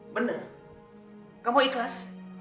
benar kamu ikhlas